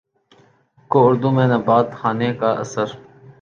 کو اردو میں نبات خانے کا اثر